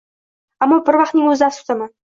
Ammo bir vaqtning o‘zida afsusdaman